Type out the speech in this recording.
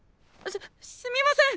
すすみません！